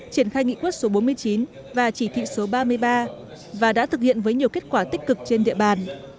triển khai nghị quyết số bốn mươi chín và chỉ thị số ba mươi ba và đã thực hiện với nhiều kết quả tích cực trên địa bàn